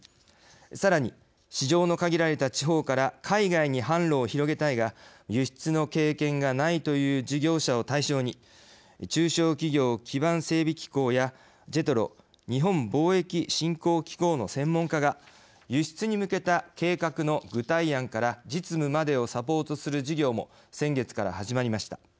さらに、市場の限られた地方から海外に販路を広げたいが輸出の経験がないという事業者を対象に中小企業基盤整備機構やＪＥＴＲＯ＝日本貿易振興機構の専門家が輸出に向けた計画の具体案から実務までをサポートする事業も先月から始まりました。